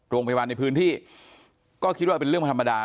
โรงพยาบาลในพื้นที่ก็คิดว่าเป็นเรื่องธรรมดา